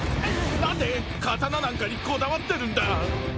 なんで刀なんかにこだわってるんだ？